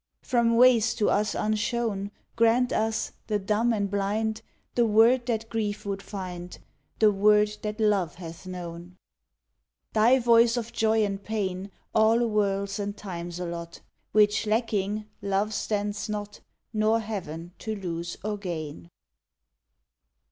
From ways to us unshown, Grant us, the dumb and blind, The word that grief would find, The word that love hath known. Thy voice of joy and pain All worlds and times allot Which lacking, love stands not, Nor Heaven to lose or gain.